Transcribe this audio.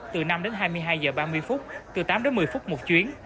từ năm đến hai mươi hai giờ ba mươi phút từ tám đến một mươi phút một chuyến